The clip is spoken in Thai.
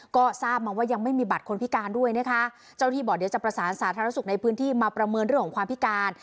ก็ทราบมาว่ายังไม่มีบัตรคนพิการด้วยนะคะเจ้าที่บอกเดี๋ยวจะประสานสาธารณสุขในพื้นที่มาประเมินเรื่องของความพิการ